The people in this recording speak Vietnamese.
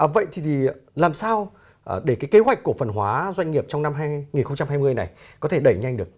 vậy thì làm sao để cái kế hoạch cổ phần hóa doanh nghiệp trong năm hai nghìn hai mươi này có thể đẩy nhanh được